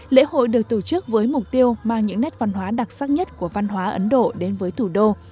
lễ hội được tổ chức với mục tiêu mang những nét văn hóa đặc sắc nhất của văn hóa ấn độ đến với thủ đô